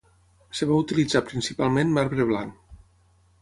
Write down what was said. Es va utilitzar principalment marbre blanc.